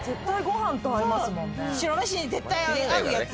白飯に絶対合うやつ。